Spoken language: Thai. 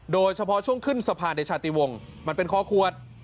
โดยเฉพาะช่วงขึ้นสะพานเดชาติวงมันเป็นคอขวด